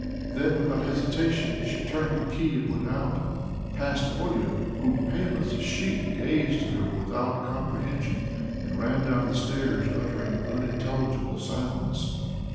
Then without hesitation she turned the key, went out, passed Olia who, pale as a sheet, gazed at her without comprehension and ran down the stairs uttering unintelligible sounds.